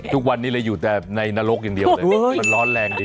ทุกวันนี้เลยอยู่แต่ในนรกอย่างเดียวเลยมันร้อนแรงดี